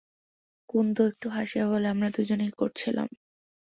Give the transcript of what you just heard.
কুন্দ একটু হাসিয়া বলে, আমরা দুজনেই করছিলাম।